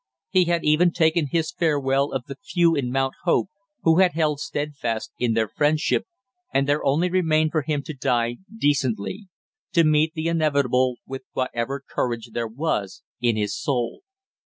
He had even taken his farewell of the few in Mount Hope who had held steadfast in their friendship, and there only remained for him to die decently; to meet the inevitable with whatever courage there was in his soul.